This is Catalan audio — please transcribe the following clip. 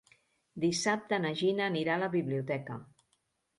Dissabte na Gina anirà a la biblioteca.